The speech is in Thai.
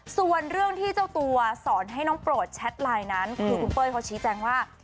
ส่วนเรื่องที่เจ้าตัวสอนให้น้องโปรดแชทไลน์นั้นคือคุณเป้ยเขาชี้แจงว่า